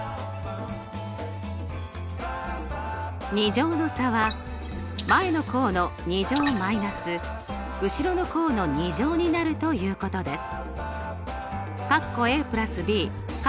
２乗の差は前の項の２乗−後ろの項の２乗になるということです。